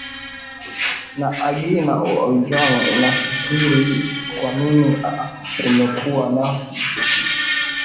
na agina ojwang unafikiri kwa nini kumekuwa na kukinzana kwa matamshi haya